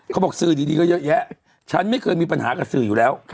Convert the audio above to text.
บอกสื่อดีก็เยอะแยะฉันไม่เคยมีปัญหากับสื่ออยู่แล้ว